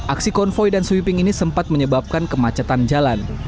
aksi konvoy dan sweeping ini sempat menyebabkan kemacetan jalan